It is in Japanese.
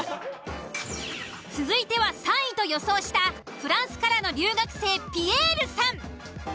続いては３位と予想したフランスからの留学生ピエールさん。